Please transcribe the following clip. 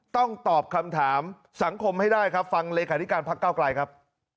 ต้องตอบคำถามสังคมให้ได้ครับฟังเลขาธิการพักเก้าไกลครับ